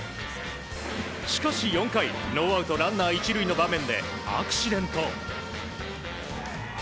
しかし４回、ノーアウトランナー１塁の場面でアクシデント。